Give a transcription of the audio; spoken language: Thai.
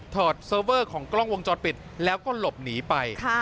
เซิร์ฟเวอร์ของกล้องวงจรปิดแล้วก็หลบหนีไป